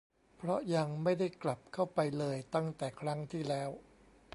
เพราะยังไม่ได้กลับเข้าไปเลยตั้งแต่ครั้งที่แล้ว